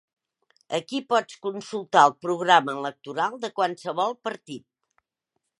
Aquí pots consultar el programa electoral de qualsevol partit.